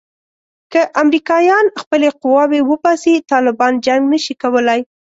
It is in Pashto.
که امریکایان خپلې قواوې وباسي طالبان جنګ نه شي کولای.